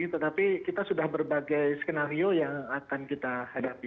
tetapi kita sudah berbagai skenario yang akan kita hadapi